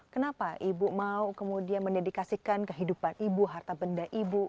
kenapa ibu mau kemudian mendedikasikan kehidupan ibu harta benda ibu